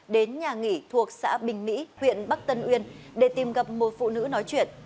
đến nhà nghỉ thuộc xã bình mỹ huyện bắc tân uyên để tìm gặp một phụ nữ nói chuyện